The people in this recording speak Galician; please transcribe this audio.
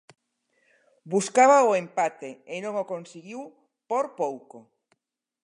Buscaba o empate e non o conseguiu por pouco.